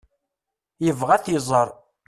Yebɣa ad t-iẓer.